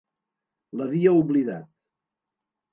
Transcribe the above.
L'havia oblidat.